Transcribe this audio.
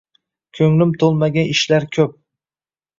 Ko‘nglim to‘lmagan ishlar ko‘p